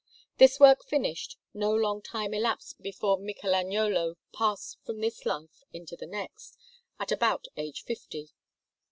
This work finished, no long time elapsed before Michelagnolo passed from this life to the next, at about the age of fifty.